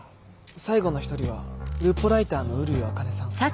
最後の１人はルポライターの右竜あかねさん。